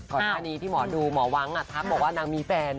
ก่อนที่นี่ที่หมอดูหมอว้างอ่ะทักบอกว่านางมีแฟน